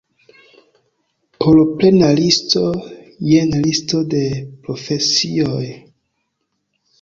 Por plena listo, jen Listo de profesioj.